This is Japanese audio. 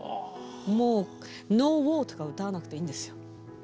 もう「ＮｏＷａｒ」とか歌わなくていいんですよ。